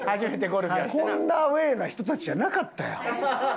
こんなアウェーな人たちじゃなかったやん。